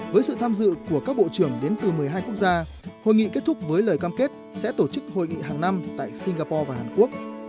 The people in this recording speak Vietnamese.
với sự tham dự của các bộ trưởng đến từ một mươi hai quốc gia hội nghị kết thúc với lời cam kết sẽ tổ chức hội nghị hàng năm tại singapore và hàn quốc